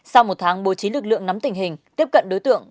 sau một tháng bố trí lực lượng nắm tình hình tiếp cận đối tượng